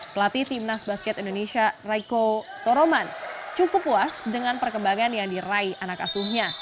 pelatih timnas basket indonesia raico toroman cukup puas dengan perkembangan yang diraih anak asuhnya